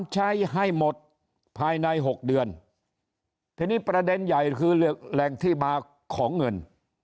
ใช้ให้หมดภายใน๖เดือนทีนี้ประเด็นใหญ่คือแหล่งที่มาของเงิน